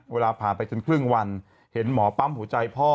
เวลาผ่านไปจนครึ่งวันเห็นหมอปั๊มหัวใจพ่อ